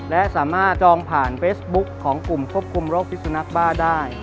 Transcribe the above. และสามารถจองผ่านเฟซบุ๊คของกลุ่มควบคุมโรคพิสุนักบ้าได้